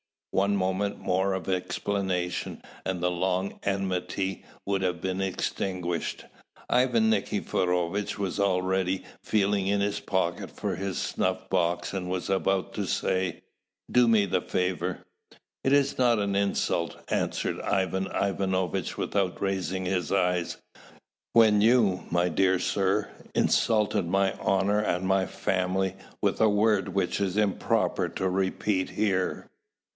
One moment more of explanation, and the long enmity would have been extinguished. Ivan Nikiforovitch was already feeling in his pocket for his snuff box, and was about to say, "Do me the favour." "Is it not an insult," answered Ivan Ivanovitch, without raising his eyes, "when you, my dear sir, insulted my honour and my family with a word which it is improper to repeat here?"